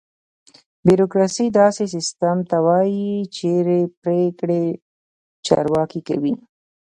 بیوروکراسي: داسې سیستم ته وایي چېرې پرېکړې چارواکي کوي.